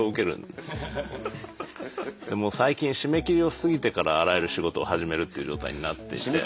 でもう最近締め切りを過ぎてからあらゆる仕事を始めるっていう状態になっていて。